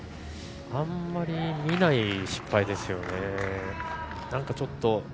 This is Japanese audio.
あまり見ない失敗ですね。